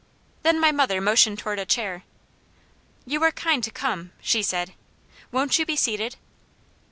Then my mother motioned toward a chair. "You are kind to come," she said. "Won't you be seated?"